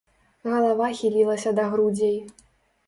Галава хілілася да грудзей.